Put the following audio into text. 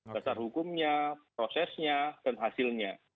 dasar hukumnya prosesnya dan hasilnya